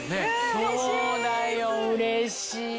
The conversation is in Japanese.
そうだようれしいわ。